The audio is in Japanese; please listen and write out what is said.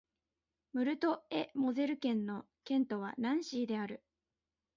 ムルト＝エ＝モゼル県の県都はナンシーである